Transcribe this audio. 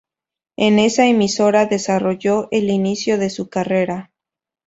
En esa emisora desarrolló el inicio de su carrera.